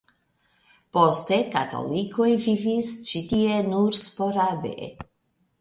Poste katolikoj vivis ĉi tie nur sporade.